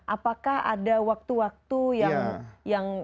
apakah ada waktu waktu yang